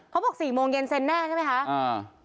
เขาบอก๔โมงเย็นเซ็นแน่ใช่ไหมคะ